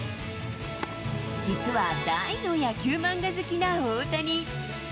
実は大の野球漫画好きな大谷。